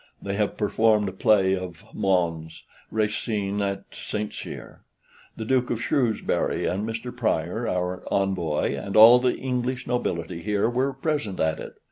They have performed a play of Mons. Racine at St. Cyr. The Duke of Shrewsbury and Mr. Prior, our envoy, and all the English nobility here were present at it.